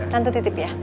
tante titip ya